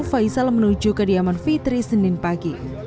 faisal menuju kediaman fitri senin pagi